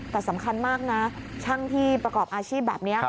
แต่สำคัญมากนะช่างที่ประกอบอาชีพแบบนี้